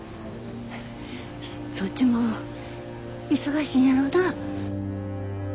そっちも忙しいんやろなぁ。